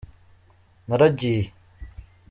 naragiye.